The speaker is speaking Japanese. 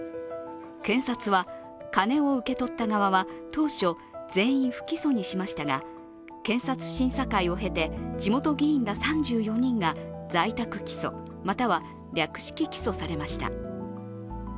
検察は金を受け取った側は当初、全員不起訴にしましたが、検察審査会を経て、地元議員ら３４人が在宅起訴または略式起訴されました。